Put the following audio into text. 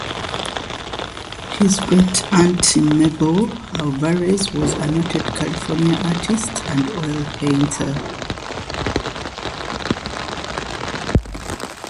His great-aunt Mabel Alvarez was a noted California artist and oil painter.